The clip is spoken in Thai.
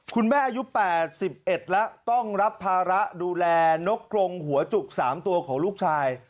คุณแม่อายุ๘๑แล้วต้องรับภาระดูแลนกกรงหัวจุก๓ตัวของลูกชาย